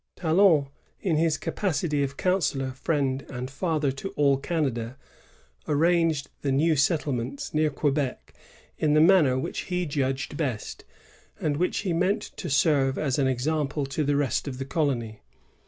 Talon, in his capacity of counsellor, friend, and father to all Canada, arranged the new settlements near Quebec in the manner which he judged best, and which he meant to serve as an example to the rest of the colony.